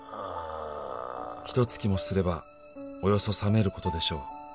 「ひと月もすればおよそ冷めることでしょう」